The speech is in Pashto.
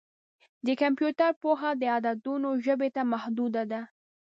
د کمپیوټر پوهه د عددونو ژبې ته محدوده ده.